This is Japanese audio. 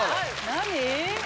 何？